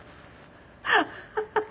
ハハハハ。